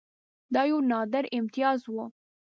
دا یو نادر امتیاز وو.